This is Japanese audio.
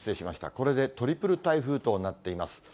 これでトリプル台風となっています。